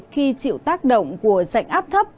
khi chịu tác động của sạch áp thấp